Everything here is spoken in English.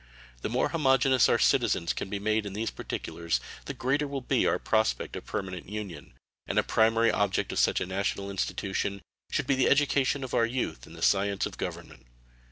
The more homogenous our citizens can be made in these particulars the greater will be our prospect of permanent union; and a primary object of such a national institution should be the education of our youth in the science of government.